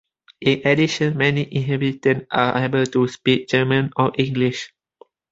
In addition, many inhabitants are able to speak German or English.